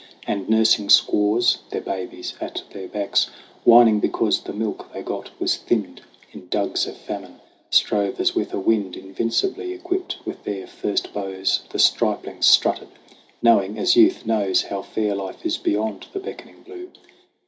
And nursing squaws, their babies at their backs Whining because the milk they got was thinned In dugs of famine, strove as with a wind. Invincibly equipped with their first bows The striplings strutted, knowing, as youth knows, How fair life is beyond the beckoning blue.